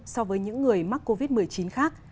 so với những người mắc covid một mươi chín khác